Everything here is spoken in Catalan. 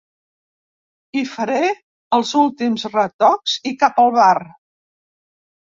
Hi faré els últims retocs i cap al bar.